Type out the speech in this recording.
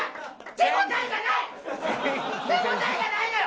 手応えがないのよ！